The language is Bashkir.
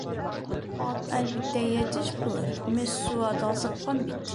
Ат, әлбиттә, йәтеш булыр, Мессуа талсыҡҡан бит.